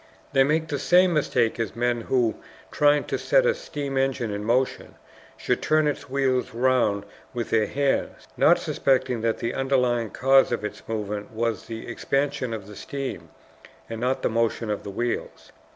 They make the same mistake as men who, trying to set a steam engine in motion, should turn its wheels round with their hands, not suspecting that the underlying cause of its movement was the expansion of the steam, and not the motion of the wheels.